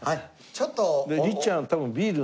ちょっと。